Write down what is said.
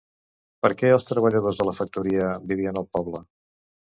Per què els treballadors de la factoria vivien al poble?